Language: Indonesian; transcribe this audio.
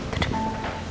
tuh di bawah